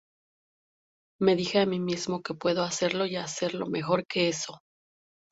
Me dije a mí mismo que puedo hacerlo y hacerlo mejor que eso.